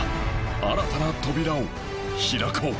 新たな扉を開こう